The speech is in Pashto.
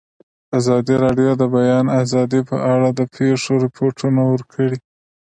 ازادي راډیو د د بیان آزادي په اړه د پېښو رپوټونه ورکړي.